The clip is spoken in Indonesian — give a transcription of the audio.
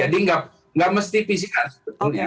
jadi nggak mesti pcr sebetulnya